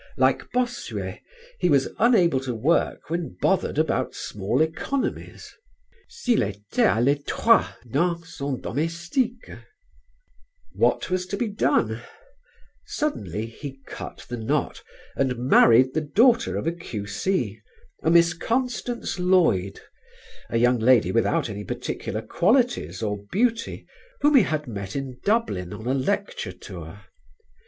Like Bossuet he was unable to work when bothered about small economies: s'il était à l'étroit dans son domestique. What was to be done? Suddenly he cut the knot and married the daughter of a Q.C., a Miss Constance Lloyd, a young lady without any particular qualities or beauty, whom he had met in Dublin on a lecture tour.